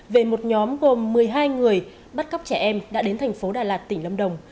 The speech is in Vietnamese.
về một nhóm gồm một mươi hai người bắt cóc trẻ em đã đến thành phố đà lạt tỉnh lâm đồng